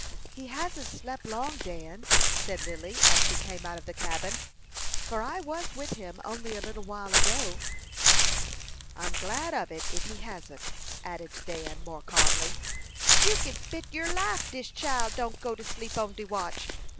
"He hasn't slept long, Dan," said Lily, as she came out of the cabin; "for I was with him only a little while ago." "I'm glad of it, if he hasn't," added Dan, more calmly. "You kin bet yer life dis chile don't go to sleep on de watch.